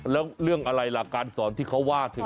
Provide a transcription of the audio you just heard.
แล้วเรื่องอะไรล่ะการสอนที่เขาว่าถึง